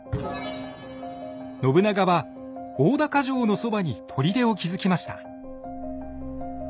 信長は大高城のそばに砦を築きました。